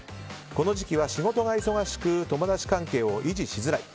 この時期は仕事が忙しく友達関係を維持しづらい。